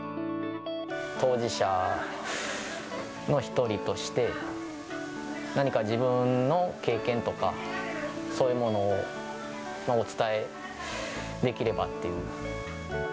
当事者の１人として、何か自分の経験とかそういうものをお伝えできればっていう。